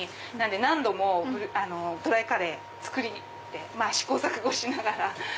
何度もドライカレー作って試行錯誤しながら。